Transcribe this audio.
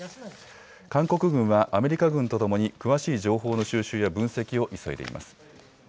韓国軍はアメリカ軍とともに詳しい情報の収集や分析を急いでいます。